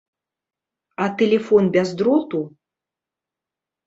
А тэлефон без дроту?